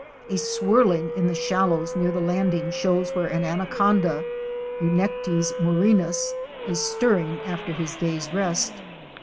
A swirling in the shallows near the landing shows where an anaconda (Eunectes murinus) is stirring after his day's rest.